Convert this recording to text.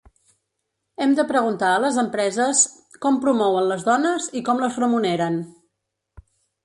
Hem de preguntar a les empreses com promouen les dones i com les remuneren.